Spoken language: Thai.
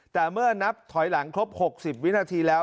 แต่เมื่อนับถอยหลังครบ๖๐วินาทีแล้ว